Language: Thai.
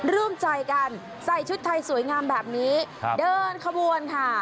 ร่วมใจกันใส่ชุดไทยสวยงามแบบนี้เดินขบวนค่ะ